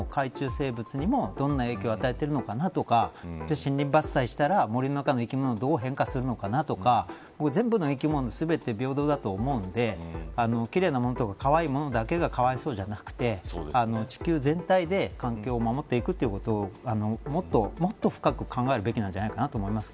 生物にもどんな影響を与えているのかなとかじゃあ、森林伐採したら森の中の生き物がどう変化するのかなとか全部の生き物全て平等だと思うので奇麗なものとか、かわいいものだけが、かわいそうじゃなくて地球全体で、環境を守っていくということをもっと深く考えるべきなんじゃないかと思います。